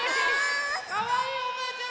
かわいいおばあちゃん